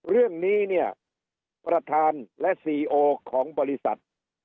เรื่องนี้เนี่ยประธานและซีโอของบริษัท